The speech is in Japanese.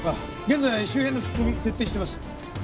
現在周辺の聞き込み徹底してます。